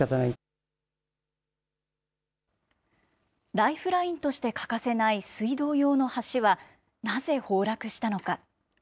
ライフラインとして欠かせない水道用の橋は、なぜ崩落したのか。